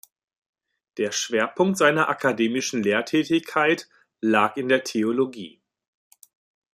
Der Schwerpunkt seiner akademischen Lehrtätigkeit lag in der Theologie.